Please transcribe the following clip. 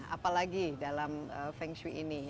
apa lagi dalam feng shui ini